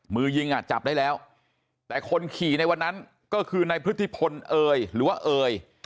มือยิงอ่ะจับได้แล้วแต่คนขี่ในวันนั้นก็คือในพฤติพลเอยหรือว่าเอ่ย